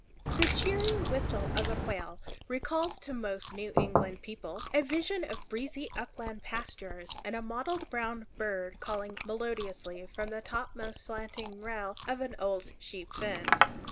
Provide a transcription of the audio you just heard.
The cheery whistle of a quail recalls to most New England people a vision of breezy upland pastures and a mottled brown bird calling melodiously from the topmost slanting rail of an old sheep fence.